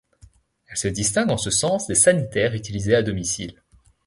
Elles se distinguent en ce sens des sanitaires utilisés à domicile.